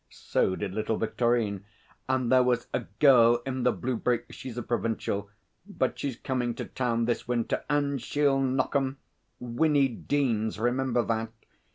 So did little Victorine. And there was a girl in the blue brake she's a provincial but she's coming to town this winter and she'll knock 'em Winnie Deans. Remember that!